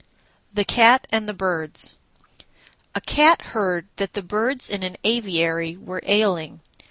THE CAT AND THE BIRDS A Cat heard that the Birds in an aviary were ailing.